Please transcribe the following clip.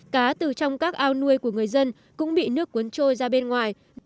cá từ trong các ao nuôi của người dân cũng bị nước cuốn trôi ra bên ngoài